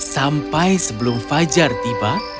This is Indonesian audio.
sampai sebelum fajar tiba